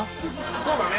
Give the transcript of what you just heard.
そうだね！